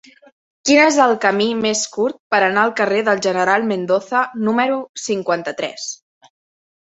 Quin és el camí més curt per anar al carrer del General Mendoza número cinquanta-tres?